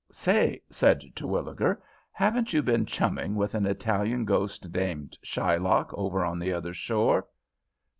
"Say," said Terwilliger, "haven't you been chumming with an Italian ghost named Shylock over on the other shore?"